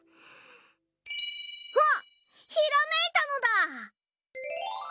あっひらめいたのだ！